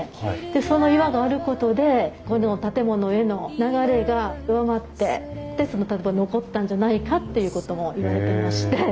でその岩があることでこの建物への流れが弱まってで残ったんじゃないかっていうこともいわれてまして。